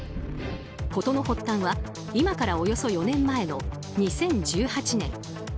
事の発端は今からおよそ４年前の２０１８年。